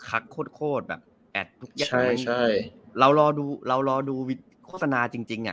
ค็อกโคตรโคตรแบบแอทที่ใช่ใช่เรารอดูเหรอรอดูโฆษณาจริงจริงอ่ะ